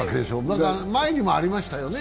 前にもありましたよね。